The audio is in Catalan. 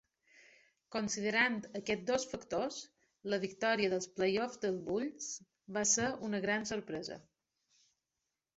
Considerant aquests dos factors, la victòria dels playoff dels Bulls va ser una gran sorpresa.